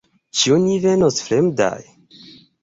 Ĉu ni venos fremdaj?